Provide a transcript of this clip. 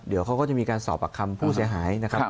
เดี๋ยวเขาก็จะมีการสอบปากคำผู้เสียหายนะครับ